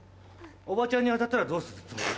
おばちゃんに当たったらどうするつもり？